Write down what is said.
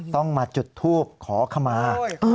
ต้องมาจุดทูบขอขมา